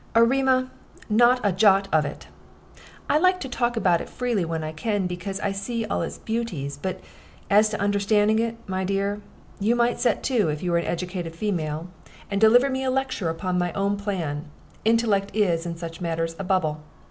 "Erema, not a jot of it. I like to talk about it freely when I can, because I see all its beauties. But as to understanding it, my dear, you might set to, if you were an educated female, and deliver me a lecture upon my own plan. Intellect is, in such matters, a bubble.